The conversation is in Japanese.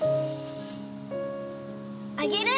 あげる！